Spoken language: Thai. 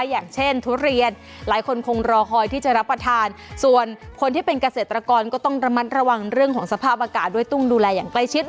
อย่างเช่นทุเรียนหลายคนคงรอคอยที่จะรับประทานส่วนคนที่เป็นเกษตรกรก็ต้องระมัดระวังเรื่องของสภาพอากาศด้วยต้องดูแลอย่างใกล้ชิด